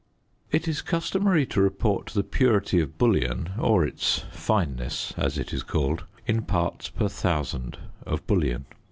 It is customary to report the purity of bullion, or its fineness as it is called, in parts per thousand of bullion.